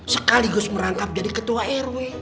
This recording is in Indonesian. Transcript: sekaligus merangkap jadi ketua rw